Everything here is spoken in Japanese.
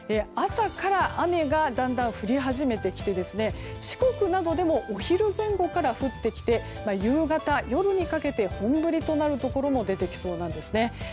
朝から雨がだんだん降り始めてきて四国などでもお昼前後から降ってきて夕方、夜にかけて本降りとなるところも出てきそうなんですね。